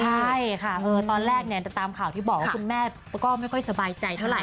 ใช่ค่ะตอนแรกตามข่าวที่บอกว่าคุณแม่ก็ไม่ค่อยสบายใจเท่าไห